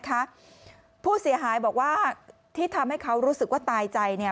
นะคะผู้เสียหายบอกว่าที่ทำให้เขารู้สึกว่าตายใจเนี่ย